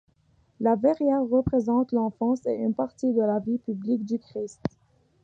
La verrière représente l'enfance et une partie de la vie publique du Christ.